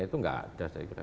itu nggak ada saya kira